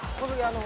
あの